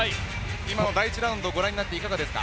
今の第１ラウンドをご覧になっていかがですか？